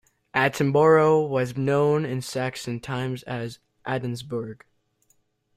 Attenborough was known in Saxon times as "Addensburgh".